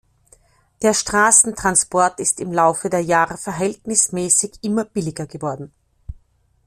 Der Straßentransport ist im Laufe der Jahre verhältnismäßig immer billiger geworden.